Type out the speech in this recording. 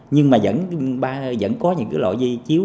nhưng mà vẫn có những loại chiếu